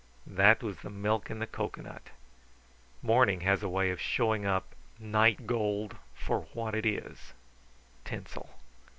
That was the milk in the cocoanut. Morning has a way of showing up night gold for what it is tinsel.